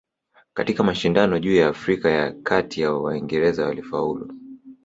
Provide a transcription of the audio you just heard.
Katika mashindano juu ya Afrika ya Kati Waingereza walifaulu